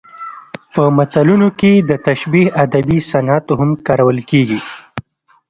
په متلونو کې د تشبیه ادبي صنعت هم کارول کیږي